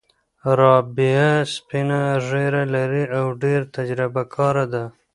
رابعه سپینه ږیره لري او ډېره تجربه کاره ده.